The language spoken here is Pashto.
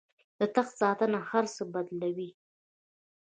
د تخت ساتنه هر څه بدلوي.